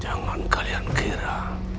jangan kalian kira